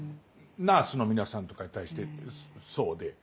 ナースの皆さんとかに対してそうで。